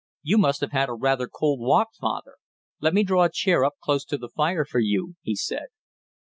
"You must have had a rather cold walk, father; let me draw a chair up close to the fire for you," he said.